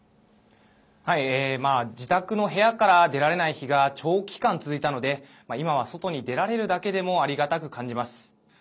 自宅の部屋から出られない日が長期間続いたので今は外に出られるだけでもありがたく感じます。